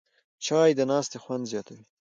چای د ناستې خوند زیاتوي